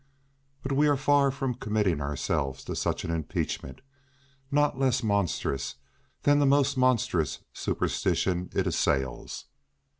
But we are far from committing ourselves to such an impeachment, not less monstrous than the most monstrous superstition it assails.